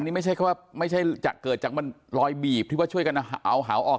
อันนี้ไม่ใช่เกิดจากมันรอยบีบที่ช่วยกันเอาเหาะออก